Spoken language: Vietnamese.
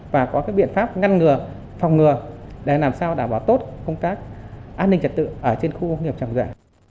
và có biện pháp ngăn ngừa phòng ngừa để làm sao đảm bảo tốt công tác an ninh trật tự trên khu công nghiệp tràng dệ